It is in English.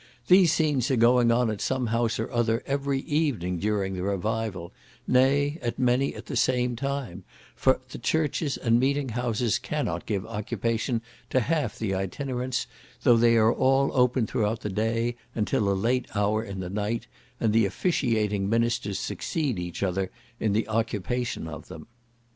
These scenes are going on at some house or other every evening during the revival, nay, at many at the same time, for the churches and meeting houses cannot give occupation to half the Itinerants, though they are all open throughout the day, and till a late hour in the night, and the officiating ministers succeed each other in the occupation of them.